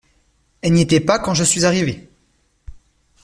Elle n’y était pas quand je suis arrivé.